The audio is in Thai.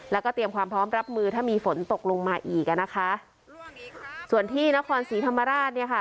แล้วก็เตรียมความพร้อมรับมือถ้ามีฝนตกลงมาอีกอ่ะนะคะส่วนที่นครศรีธรรมราชเนี่ยค่ะ